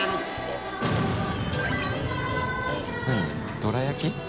どら焼き？